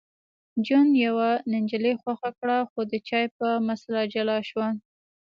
جون یوه نجلۍ خوښه کړه خو د چای په مسله جلا شول